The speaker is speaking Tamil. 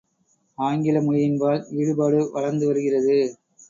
ஆங்கில மொழியின்பால் ஈடுபாடு வளர்ந்து வருகிறது.